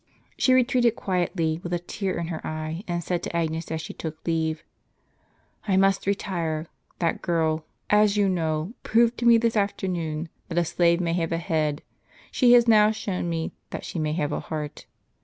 She retreated quietly, with a tear in her eye, and said to Agnes, as she took leave :" I must retire ; that girl, as you know, proved to me this afternoon that a slave may have a head ; she has now shown me that she may have a heart.